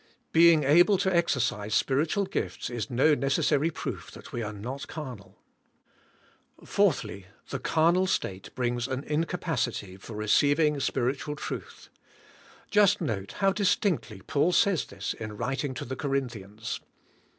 Being able to exer cise spiritual gifts is no neccessarj proof that we are not carnal. 4. The carnal state brings an incapacity for re ceiving spiritual truth. Just note how distinctly Paul says this in writing to the Corinthians.